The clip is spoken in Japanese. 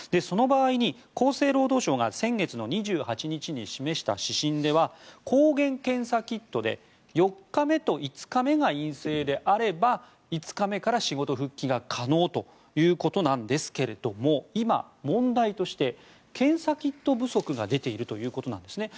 その場合に厚生労働省が先月２８日に示した指針では抗原検査キットで４日目と５日目が陰性であれば５日目から仕事復帰が可能ということなんですが今、問題として検査キット不足が出ているということなんです。